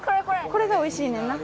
これがおいしいねんな。